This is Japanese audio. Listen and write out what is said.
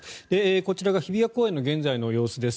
こちらが日比谷公園の現在の様子です。